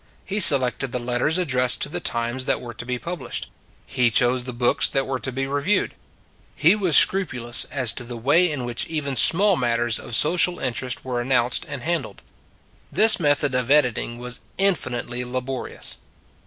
He selected the letters addressed to the " Times " that were to be published: he chose the books that were to be reviewed : he was scrupulous as to the way in which even small matters of social interest were announced and handled. This method of editing was infinitely laborious.